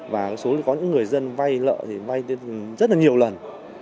và số có những người dân vai lợ thì vai rất là nhiều lần